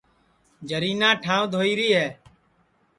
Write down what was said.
جرینا ٹھانٚوَ دھوئی ری ہے